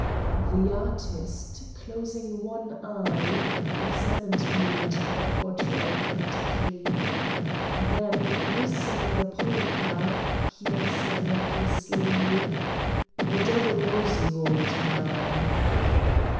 The artist, closing one eye, examined me and the portrait critically. Then whistling a polka, he answered recklessly: "The devil knows you, old man!"